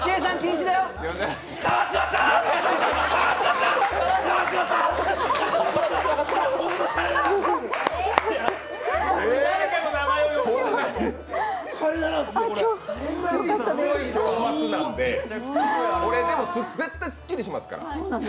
強圧なんで、でも絶対すっきりしますから。